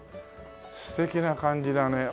素敵な感じだね。